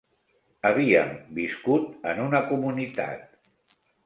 Havíem viscut en una comunitat